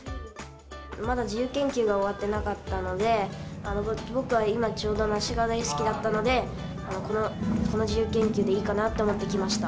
まだ自由研究が終わってなかったので、僕は今、ちょうど梨が大好きだったので、この自由研究でいいかなと思って、来ました。